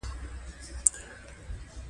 تمساح په اوبو کي کمین نیسي.